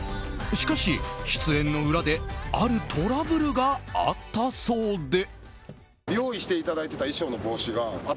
しかし、出演の裏であるトラブルがあったそうで。